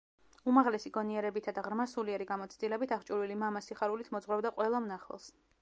უმაღლესი გონიერებითა და ღრმა სულიერი გამოცდილებით აღჭურვილი მამა სიხარულით მოძღვრავდა ყველა მნახველს.